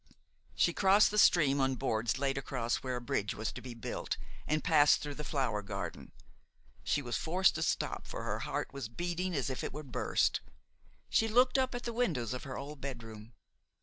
She crossed the stream on boards laid across where a bridge was to be built and passed through the flower garden. She was forced to stop, for her heart was beating as if it would burst; she looked up at the windows of her old bedroom.